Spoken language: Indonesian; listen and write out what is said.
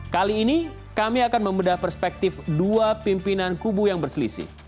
kali ini kami akan membedah perspektif dua pimpinan kubu yang berselisih